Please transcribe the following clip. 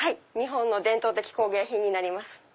日本の伝統的工芸品になります。